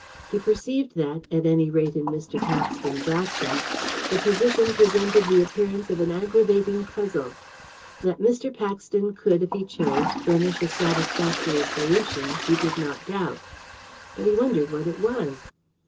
He perceived that, at any rate in Mr. Paxton's absence, the position presented the appearance of an aggravating puzzle. That Mr. Paxton could, if he chose, furnish a satisfactory solution, he did not doubt. But he wondered what it was.